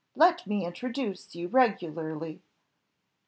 "Let me introduce you regularly."